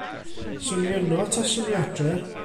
'Swn i yno taswn i adra'.